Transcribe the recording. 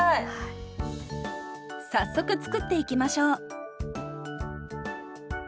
早速作っていきましょう。